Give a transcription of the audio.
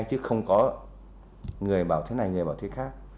chứ không có người bảo thế này người bảo thế khác